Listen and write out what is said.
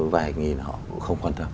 vài nghìn họ cũng không quan tâm